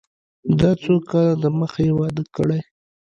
دا څو کاله د مخه يې واده کړى.